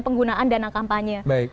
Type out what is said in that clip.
penggunaan dana kampanye